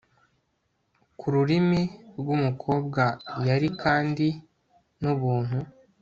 Ku rurimi rwumukobwa yari kandi ni ubuntu